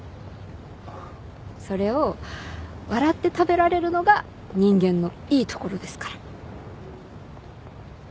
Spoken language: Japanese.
それを笑って食べられるのが人間のいいところですから。